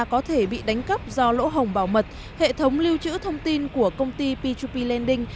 có thể bị đánh cắp do lỗ hồng bảo mật hệ thống lưu trữ thông tin của công ty p trup p lending